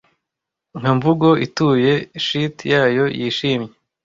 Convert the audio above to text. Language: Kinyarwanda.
nka mvugo ituye sheath yayo yishimye